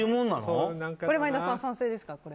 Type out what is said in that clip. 前田さん、賛成ですか？